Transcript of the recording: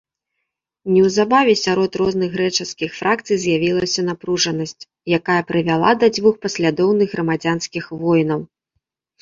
Неўзабаве сярод розных грэчаскіх фракцый з'явілася напружанасць, якая прывяла да дзвюх паслядоўных грамадзянскіх войнаў.